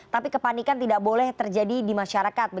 tapi kepanikan tidak boleh terjadi di masyarakat